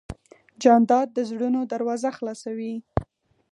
جانداد د زړونو دروازه خلاصوي.